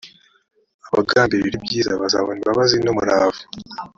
abagambirira ibyiza bazabona imbabazi n umurava